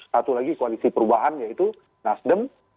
satu lagi koalisi perubahan yaitu nasdem